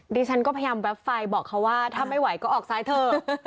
ดิฉันก็พยายามแป๊บไฟบอกเขาว่าถ้าไม่ไหวก็ออกซ้ายเถอะ